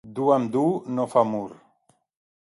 Dur amb dur no fa mur.